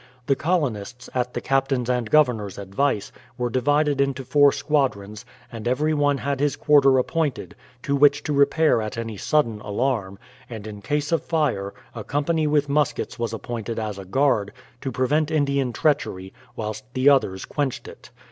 The colonists, at the Captain's and Governor's advice, were divided into four squadrons, and every one had his quarter appointed, to which to repair at" any sudden alarm ; and in case of fire, a company with muskets was appointed as a guard, to prevent Indian treachery, whilst the others quenched it.